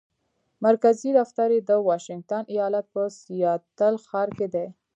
مرکزي دفتر یې د واشنګټن ایالت په سیاتل ښار کې دی.